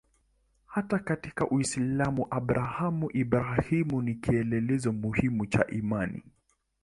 Hata katika Uislamu Abrahamu-Ibrahimu ni kielelezo muhimu cha imani.